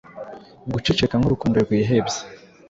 Guceceka nkurukundo rwihebye,